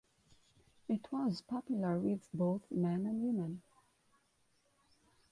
It was popular with both men and women.